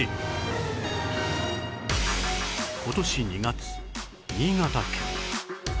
今年２月新潟県